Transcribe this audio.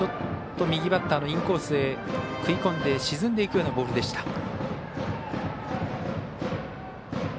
右バッターのインコースへ食い込んで沈んでいくようなボールでした。